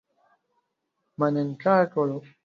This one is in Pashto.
ما نن کار کولو